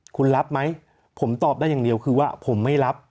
คุณรับไหมผมตอบได้อย่างเดียวคือว่าผมไม่รับ